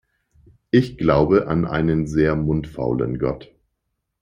Ich glaube an einen sehr mundfaulen Gott.